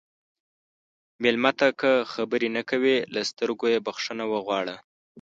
مېلمه ته که خبرې نه کوي، له سترګو یې بخښنه وغواړه.